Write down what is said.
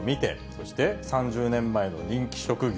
そして３０年前の人気職業。